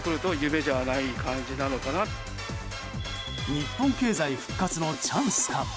日本経済復活のチャンスか。